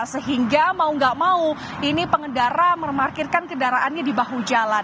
sehingga mau nggak mau ini pengendara memarkirkan kendaraannya di bahu jalan